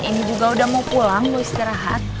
ini juga udah mau pulang mau istirahat